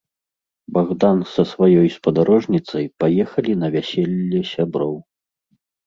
Багдан са сваёй спадарожніцай паехалі на вяселле сяброў.